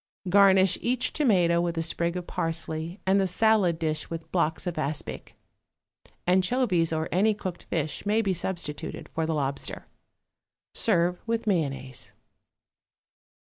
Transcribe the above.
Garnish each tomato with a sprig of parsley and the salad dish with blocks of aspic. Anchovies or any cooked fish may be substituted for the lobster. Serve with mayonnaise.